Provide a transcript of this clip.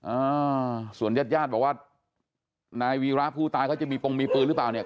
อ่าส่วนญาติญาติบอกว่านายวีระผู้ตายเขาจะมีปงมีปืนหรือเปล่าเนี่ย